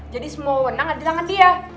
jadi semua wunang ada di tangan dia